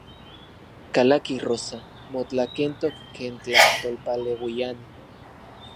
Kalaki Rosa, motlakentok ken tlajtolpaleuiani.